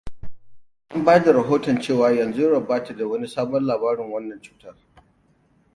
An bada rahoto cewa yanzu Europe ba ta da wani sabon labarin wannan cutan.